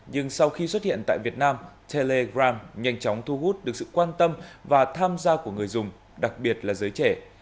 nhưng sau khi xuất hiện tại việt nam telegram nhanh chóng thu hút được sự quan tâm và tham gia của người dùng đặc biệt là giới trẻ